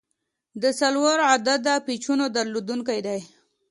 د څلور عدده پیچونو درلودونکی دی.